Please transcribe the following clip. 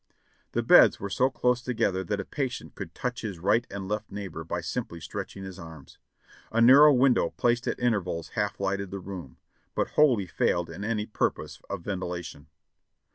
The beds were so close together that a patient could touch his right and left neighbor by simply stretching his arms. A narrow window placed at intervals half lighted the room, but wholly failed in any purpose of ventilation.